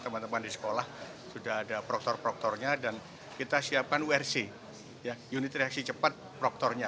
teman teman di sekolah sudah ada proktor proktornya dan kita siapkan wrc ya unit reaksi cepat proktornya